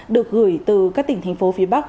được gửi từ các tỉnh thành phố phía bắc